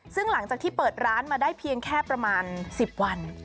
ซึ่งหลังจากที่เปิดร้านมาได้เพียงแค่ประมาณ๑๐วัน